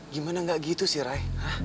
gimana gak gitu sih rai